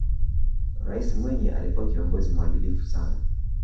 raisi mwinyi alikuwa kiongozi muadilifu sana